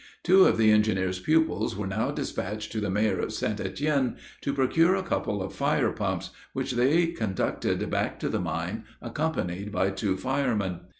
Two of the engineer's pupils were now dispatched to the mayor of St. Etienne, to procure a couple of fire pumps, which they conducted back to the mine, accompanied by two firemen.